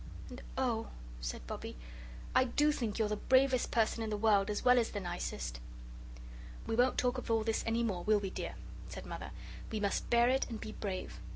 "And oh," said Bobbie, "I do think you're the bravest person in the world as well as the nicest!" "We won't talk of all this any more, will we, dear?" said Mother; "we must bear it and be brave.